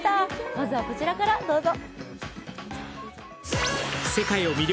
まずはこちらから、どうぞ！